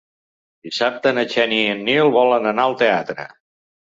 Dissabte na Xènia i en Nil volen anar al teatre.